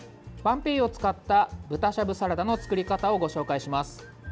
ばんぺいゆを使った豚しゃぶサラダの作り方をご紹介します。